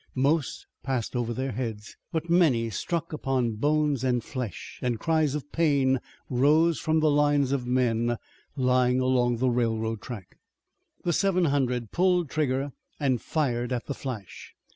Most passed over their heads, but many struck upon bones and flesh, and cries of pain rose from the lines of men lying along the railroad track. The seven hundred pulled trigger and fired at the flash.